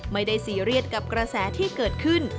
ซีเรียสกับกระแสที่เกิดขึ้น